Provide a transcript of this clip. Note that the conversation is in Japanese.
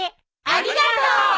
ありがとう！